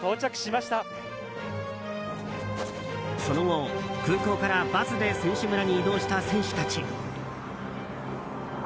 その後、空港からバスで選手村に移動した選手たち。